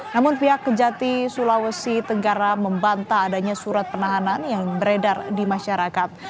namun pihak kejati sulawesi tenggara membanta adanya surat penahanan yang beredar di masyarakat